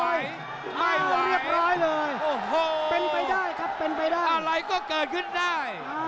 ไม่ไหวโอ้โหเป็นไปได้ครับเป็นไปได้อะไรก็เกิดขึ้นได้